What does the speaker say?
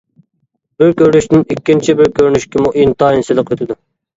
بىر كۆرۈنۈشتىن ئىككىنچى بىر كۆرۈنۈشكىمۇ ئىنتايىن سىلىق ئۆتىدۇ.